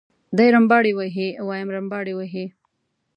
دی رمباړې وهي وایم رمباړې وهي.